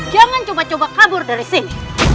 jangan coba coba kabur dari sini